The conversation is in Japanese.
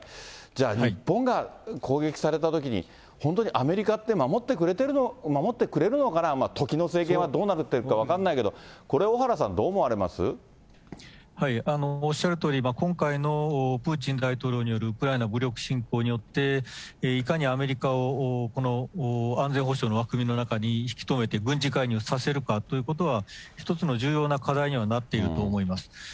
じゃあ、日本が攻撃されたときに、本当にアメリカって守ってくれるのかな、時の政権はどうなるか分からないけど、これ、おっしゃるとおり、今回のプーチン大統領によるウクライナ武力侵攻によって、いかにアメリカを、安全保障の枠組みの中に引き止めて、軍事介入させるかということは、一つの重要な課題にはなっていると思います。